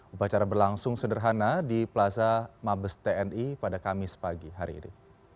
upacara berlangsung sederhana di plaza mabes tni pada kamis pagi hari ini